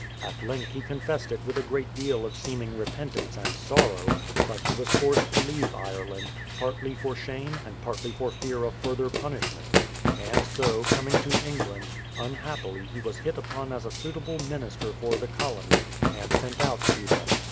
At length he confessed it with a great deal of seeming repentance and sorrow, but he was forced to leave Ireland, partly for shame and partly for fear of further punishment; and so, coming to England, unhappily he was hit upon as a suitable minister for the colony and sent out to them.